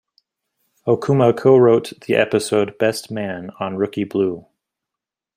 Okuma co-wrote the episode "Best Man" on "Rookie Blue".